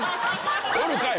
おるかい！